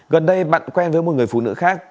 gần đây bạn quen với một người phụ nữ khác